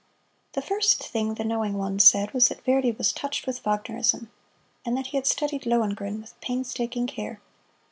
The first thing the knowing ones said was that Verdi was touched with Wagnerism, and that he had studied "Lohengrin" with painstaking care.